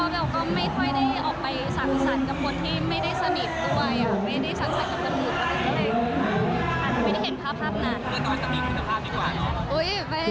เพื่อนก็จะมีคุณภาพดีกว่าเนอะ